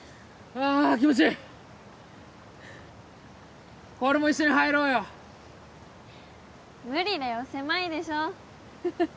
あーっ気持ちいい小春も一緒に入ろうよ無理だよ狭いでしょハハハ